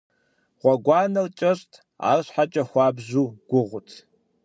Гъуэгуанэр кӏэщӏт, арщхьэкӏэ хуабжьу гугъут.